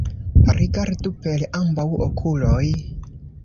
Rigardi per ambaŭ okuloj.